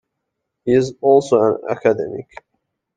He is also an academic.